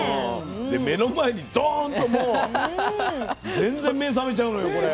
で目の前にドンともう全然目覚めちゃうのよこれ。